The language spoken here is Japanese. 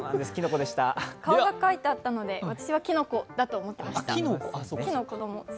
顔が描いてあったので私はきのこだと思っていました、木の子供。